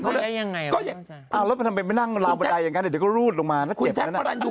เค้าต้องเป็นใครอ่ะมันการหลอกซี่คืออะไร